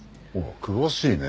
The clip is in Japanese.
詳しいね。